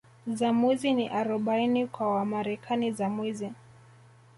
za Mwizi ni Arobaini kwa Wamarekani za mwizi